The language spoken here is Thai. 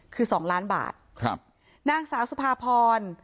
คือสองล้านบาทครับนางสาวสุภาพร